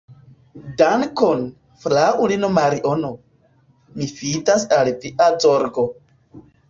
Dankon, fraŭlino Mariono, mi fidas al via zorgo.